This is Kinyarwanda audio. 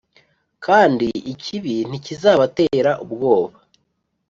kandi ikibi ntikizabatera ubwoba.